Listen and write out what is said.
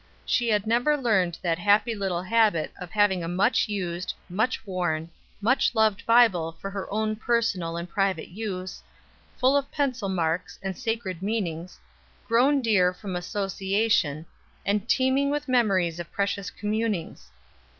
She had never learned that happy little habit of having a much used, much worn, much loved Bible for her own personal and private use; full of pencil marks and sacred meanings, grown dear from association, and teeming with memories of precious communings.